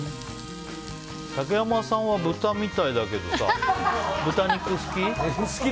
竹山さんは豚みたいだけど豚肉、好き？